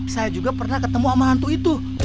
saya juga pernah ketemu sama hantu itu